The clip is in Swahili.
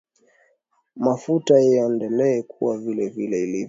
mafuta iendelee kuwa vile ilivyo